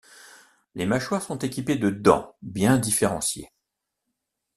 Les mâchoires sont équipées de dents bien différenciées.